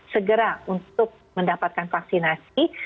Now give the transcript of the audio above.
segera untuk mendapatkan vaksinasi